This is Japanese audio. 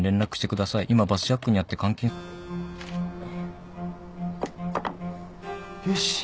「今バスジャックに遭って監禁」よし。